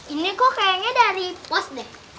ini kok kayaknya dari pus deh